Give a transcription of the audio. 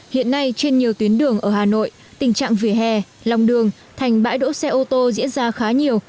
hiện nay trên nhiều tuyến đường ở hà nội tình trạng vỉa hè lòng đường thành bãi đỗ xe ô tô diễn ra khá nhiều